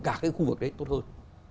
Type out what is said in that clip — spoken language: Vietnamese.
cả cái khu vực đấy tốt hơn